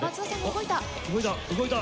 動いた動いた。